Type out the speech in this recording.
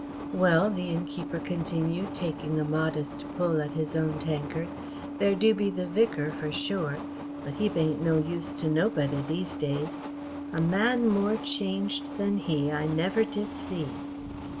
"Well," the innkeeper continued, taking a modest pull at his own tankard, "there do be the vicar, for sure, but he bain't no use to nobody these days. A man more changed than he I never did see."